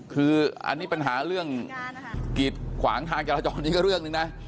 คืออันนี้ปัญหาเรื่องกีดขวางทางจราจรนี่ก็เรื่องหนึ่งนะ